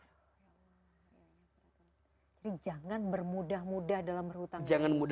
jadi jangan bermudah mudah dalam berhutang